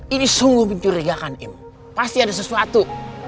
ini sungguh mencurigakan ibu pasti ada sesuatu